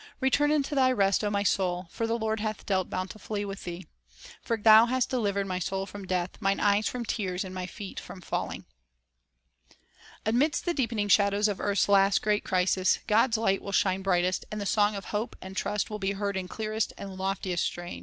Return unto thy rest, O my soul ; For the Lord hath dealt bountifully with thee. For Thou hast delivered my soul from death, mine eyes from tears, and my feet from falling." ' Amidst the deepening shadows of earth's last great crisis, God's light will shine brightest, and the song of hope and trust will be heard in clearest and loftiest strains.